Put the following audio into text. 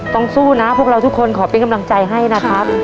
สู้นะพวกเราทุกคนขอเป็นกำลังใจให้นะครับ